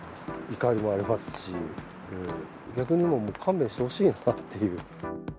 怒りもありますし、逆にもう勘弁してほしいなっていう。